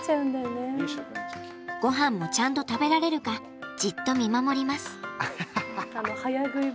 ごはんもちゃんと食べられるかじっと見守ります。